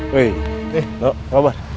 weh eh lo apa kabar